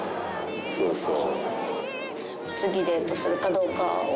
そうそう。